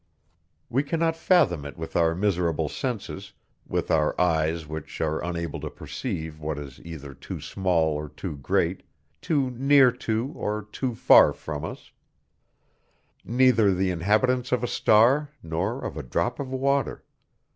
We cannot fathom it with our miserable senses, with our eyes which are unable to perceive what is either too small or too great, too near to, or too far from us; neither the inhabitants of a star nor of a drop of water